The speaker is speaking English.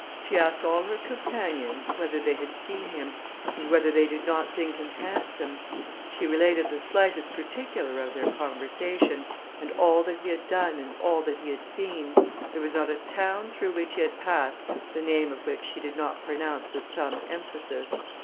She asked all her companions, whether they had seen him, and whether they did not think him handsome; she related the slightest particular of their conversation, and all that he had done and all that he had seen: there was not a town through which he had passed the name of which she did not pronounce with some emphasis.